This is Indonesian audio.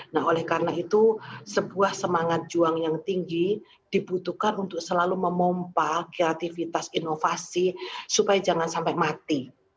nah oleh karena itu sebuah semangat juang yang tinggi dibutuhkan untuk selalu memompa kreativitas inovasi supaya jangan sampai mati